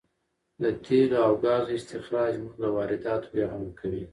د تېلو او ګازو استخراج موږ له وارداتو بې غمه کوي.